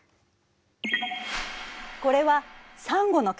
これはサンゴの化石。